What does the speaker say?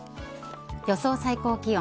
予想最高気温。